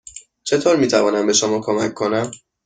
چطور می توانم به شما کمک کنم؟